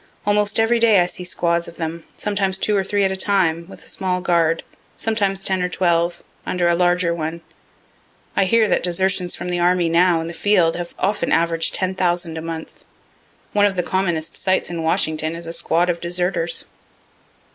Almost every day I see squads of them, sometimes two or three at a time, with a small guard; sometimes ten or twelve, under a larger one. (I hear that desertions from the army now in the field have often averaged 10,000 a month. One of the commonest sights in Washington is a squad of deserters.)